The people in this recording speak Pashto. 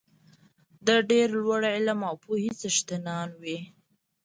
د ډېر لوړ علم او پوهې څښتنان وي.